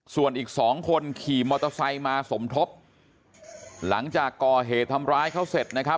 ส่วนอีกสองคนขี่มอเตอร์ไซค์มาสมทบหลังจากก่อเหตุทำร้ายเขาเสร็จนะครับ